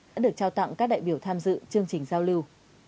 đã được trao tặng các đại biểu tham dự chương trình giao lưu